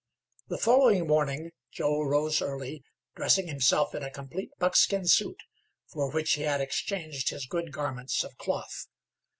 The following morning Joe rose early, dressing himself in a complete buckskin suit, for which he had exchanged his good garments of cloth.